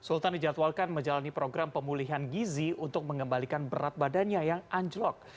sultan dijadwalkan menjalani program pemulihan gizi untuk mengembalikan berat badannya yang anjlok